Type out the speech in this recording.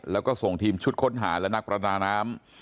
แล้วก็ส่งทีมชุดค้นหาและนักประดาน้ำ